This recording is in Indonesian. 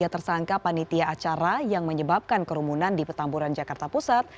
tiga tersangka panitia acara yang menyebabkan kerumunan di petamburan jakarta pusat